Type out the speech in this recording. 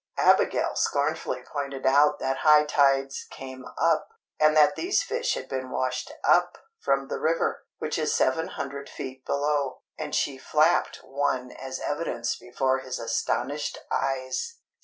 Abigail scornfully pointed out that high tides came up, and these fish had been washed up from the river, which is 700 feet below; and she flapped one as evidence before his astonished eyes.